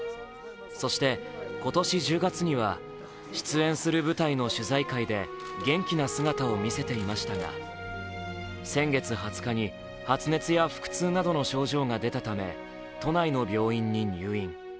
そして、今年１０月には出演する舞台の取材会で元気な姿を見せていましたが先月２０日に発熱や腹痛などの症状が出たため都内の病院に入院。